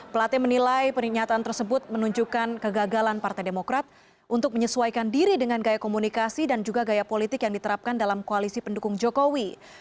plate menilai pernyataan tersebut menunjukkan kegagalan partai demokrat untuk menyesuaikan diri dengan gaya komunikasi dan juga gaya politik yang diterapkan dalam koalisi pendukung jokowi